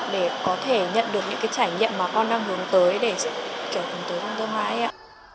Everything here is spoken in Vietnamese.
để có thể nhận được những cái trải nghiệm mà con đang hướng tới để kiểu hướng tới thông thơ hoa ấy ạ